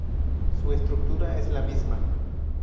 Su estructura es la misma.